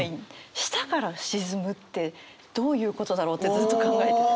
舌から沈むってどういうことだろうってずっと考えてて。